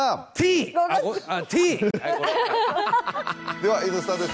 では「Ｎスタ」です。